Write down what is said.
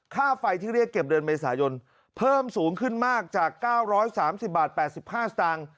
ค่าไฟที่เรียกเก็บเดือนเมษายนเพิ่มสูงขึ้นมากจาก๙๓๐บาท๘๕สตางค์